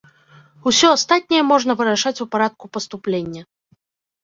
Усё астатняе можна вырашаць у парадку паступлення.